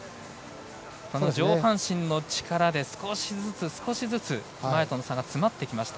上半身の力で少しずつ少しずつ前との差が詰まってきました。